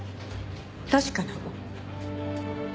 確かなの？